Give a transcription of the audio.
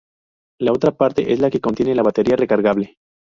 La otra parte es la que contiene la batería recargable.